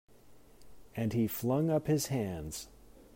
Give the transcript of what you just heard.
And he flung up his hands.